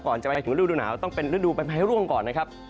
ก่อนจะไปถึงฤดูหนาวต้องเป็นฤดูแผนไพร่ร่วงก่อนนะครับ